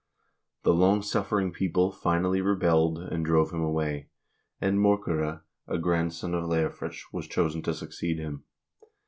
The long suffering people finally rebelled and drove him away, and Morkere, a grandson of Leofric, was chosen to suc ceed him.